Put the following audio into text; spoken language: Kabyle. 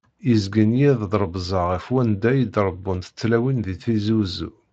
Yezgen yiḍ drebzeɣ ɣer wanda i d-rebbunt tlawin di Tizi Wezzu.